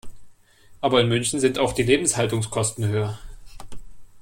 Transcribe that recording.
Aber in München sind auch die Lebenshaltungskosten höher.